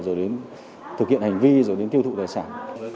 rồi đến thực hiện hành vi rồi đến tiêu thụ tài sản